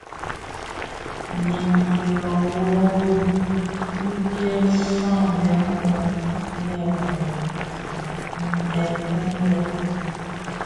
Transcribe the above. Dièm i kilōň yo yin di dhisaňdèn bum yè mënōbō ntètèbèn.